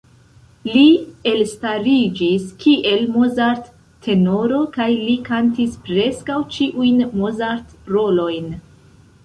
Li elstariĝis kiel Mozart-tenoro, kaj li kantis preskaŭ ĉiujn Mozart-rolojn.